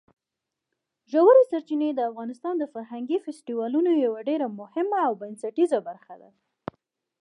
ژورې سرچینې د افغانستان د فرهنګي فستیوالونو یوه ډېره مهمه او بنسټیزه برخه ده.